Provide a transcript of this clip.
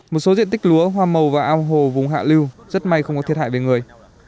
một số diện tích lúa hoa màu và ao hồ vùng hạ lưu rất may không có thiệt hại về người